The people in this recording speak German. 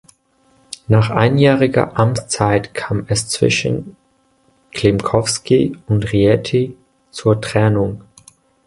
Nach einjähriger Amtszeit kam es zwischen Klimkowski und Rieti zur Trennung.